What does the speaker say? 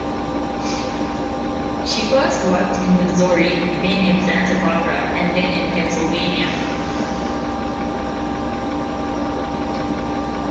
She first worked in Missouri, then in Santa Barbara, and then Pennsylvania.